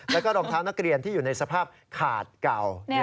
แล้วก็รองเท้านักเรียนที่อยู่ในสภาพขาดเก่า